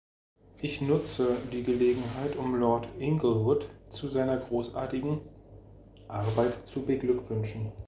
Ich nutze die Gelegenheit, um Lord Inglewood zu seiner großartigen Arbeit zu beglückwünschen.